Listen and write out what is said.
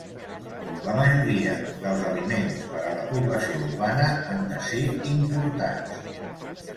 La majoria dels aliments per a la població urbana han de ser importats.